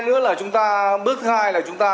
nữa là chúng ta bước thứ hai là chúng ta